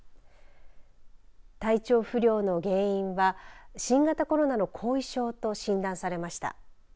体調不良の原因は新型コロナの後遺症と診断されました。